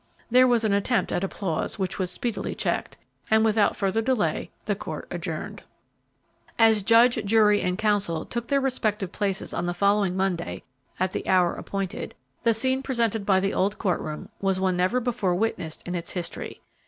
There was an attempt at applause, which was speedily checked, and without further delay the court adjourned. As judge, jury, and counsel took their respective places on the following Monday at the hour appointed, the scene presented by the old court room was one never before witnessed in its history.